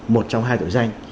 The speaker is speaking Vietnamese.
một trong hai cái phương thức này